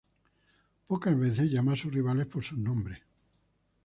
Pocas veces llama a sus rivales por sus nombres.